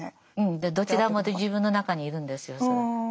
でどちらも自分の中にいるんですよ。